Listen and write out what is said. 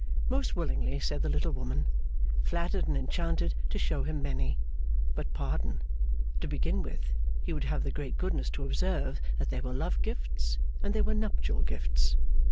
Most willingly, said the little woman. Flattered and enchanted to show him many. But pardon! To begin with, he would have the great goodness to observe that there were love gifts, and there were nuptial gifts.